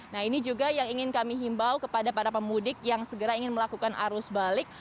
nah ini juga yang ingin kami himbau kepada para pemudik yang segera ingin melakukan arus balik